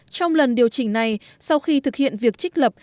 trong lần điều chỉnh này sau khi thực hiện việc trích lập